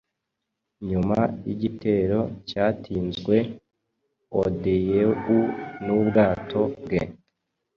Nyuma yigitero cyatinzwe, Odyeu nubwato bwe